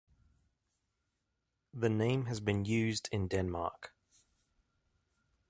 The name has been used in Denmark.